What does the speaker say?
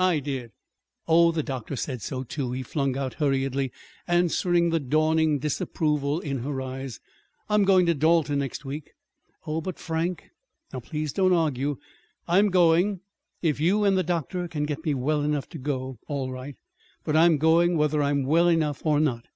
"I did. Oh, the doctor said so, too," he flung out hurriedly, answering the dawning disapproval in her eyes. "I'm going to Dalton next week." "Oh, but, Frank " "Now, please don't argue. I'm going. If you and the doctor can get me well enough to go all right. But I'm going whether I'm well enough or not."